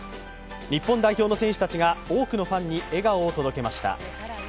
日本代表の選手たちが多くのファンに笑顔を届けました。